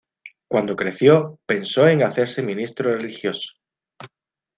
Cuando creció, pensó en hacerse ministro religioso.